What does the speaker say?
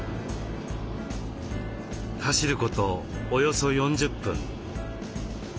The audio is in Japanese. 走ることおよそ４０分。